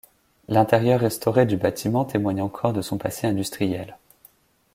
L'intérieur restauré du bâtiment témoigne encore de son passé industriel.